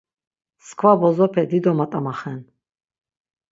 Mskva bozope dido mat̆amaxen.